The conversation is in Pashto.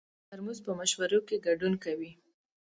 ترموز په مشورو کې ګډون کوي.